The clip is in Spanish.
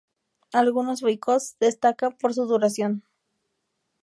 Algunos boicots destacan por su duración.